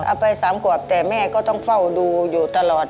เอาไป๓ขวบแต่แม่ก็ต้องเฝ้าดูอยู่ตลอด